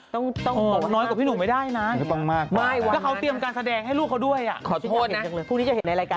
ต้องบอกว่าน้อยกว่าพี่หนุ่มไม่ได้นะแล้วเขาเตรียมการแสดงให้ลูกเขาด้วยอ่ะขอโทษนะพรุ่งนี้จะเห็นในรายการ